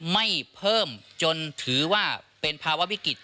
ไม่เพิ่มจนถือว่าเป็นภาวะวิกฤต